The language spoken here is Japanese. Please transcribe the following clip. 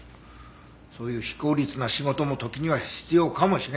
そういう非効率な仕事も時には必要かもしれない。